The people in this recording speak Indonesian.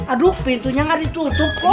aduh pintunya nggak ditutup kok